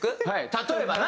例えばな。